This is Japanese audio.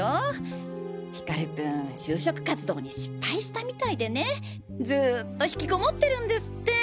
就職活動に失敗したみたいでねぇずっと引きこもってるんですって。